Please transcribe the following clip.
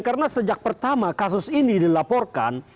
karena sejak pertama kasus ini dilaporkan